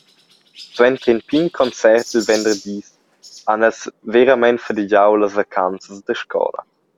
Suenter in pign concert il venderdis, han els veramein fadigiau las vacanzas da scola.